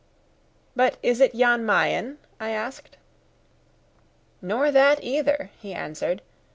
"But is it Jan Mayen?" I asked. "Nor that either," he answered.